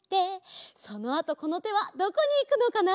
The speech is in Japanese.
そのあとこのてはどこにいくのかな？